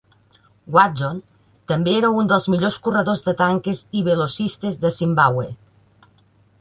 Watson també era un dels millors corredor de tanques i velocistes de Zimbabwe.